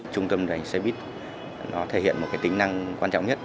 trung tâm ngành xe buýt nó thể hiện một tính năng quan trọng nhất